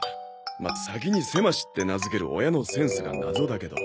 まあ先にせましって名付ける親のセンスが謎だけど。